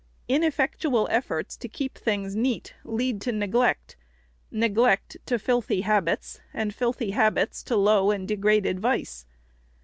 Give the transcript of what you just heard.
Ineffectual efforts to keep things neat lead to neglect, neglect to filthy habits, and filthy habits to low and degraded vice.